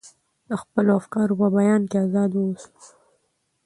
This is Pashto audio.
د خپلو افکارو په بیان کې ازاد واوسو.